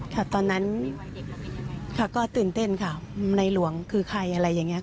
ตอนนั้นค่ะก็ตื่นเต้นค่ะในหลวงคือใครอะไรอย่างนี้